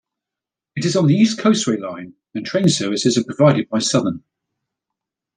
It is on the East Coastway Line, and train services are provided by Southern.